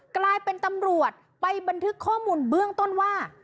กลายเป็นตำรวจไปบันทึกข้อมูลเบื้องต้นว่า